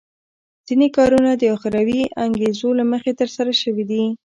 ځینې کارونه د اخروي انګېزو له مخې ترسره شوي دي.